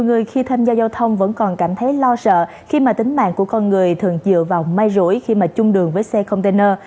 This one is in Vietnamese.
người thường dựa vào mai rũi khi mà chung đường với xe container